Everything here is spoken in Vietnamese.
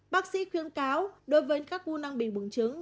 bác sĩ khuyên cáo đối với các u năng bị buồng trứng